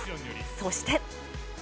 そして。